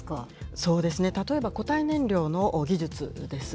そうですね、例えば固体燃料の技術です。